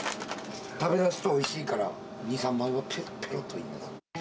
食べだすとおいしいから、２、３枚はぺろっといきます。